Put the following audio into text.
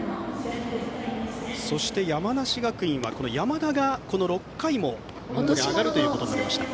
そして山梨学院は山田が６回もマウンドに上がるということになりました。